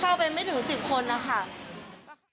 เข้าไปไม่ถึง๑๐คนนะคะ